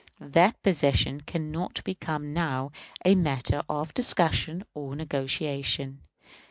That possession can not become now a matter of discussion or negotiation.